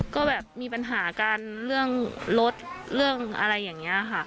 ก็แบบมีปัญหากันเรื่องรถเรื่องอะไรอย่างนี้ค่ะ